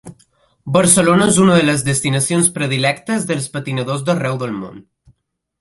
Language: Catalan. Barcelona és una de les destinacions predilectes dels patinadors d’arreu del món.